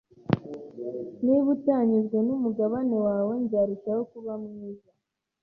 Niba utanyuzwe numugabane wawe, nzarushaho kuba mwiza.